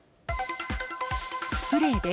スプレーで？